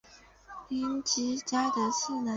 绫崎家的次男。